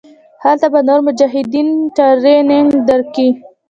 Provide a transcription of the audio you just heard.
هلته به نور مجاهدين ټرېننگ درکي.